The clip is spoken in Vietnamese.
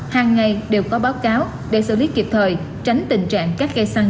hàng ngày đều có báo cáo để xử lý kịp thời tránh tình trạng các cây xăng